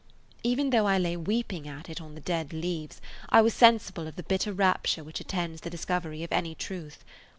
Even though I lay weeping at it on the dead leaves I was sensible of the bitter rapture which attends the discovery of any truth.